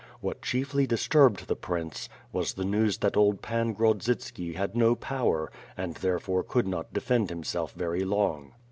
What chiefly disturbed the prince, was the news that old Pan Grodzitsld had no power and therefore could not defend himself very long.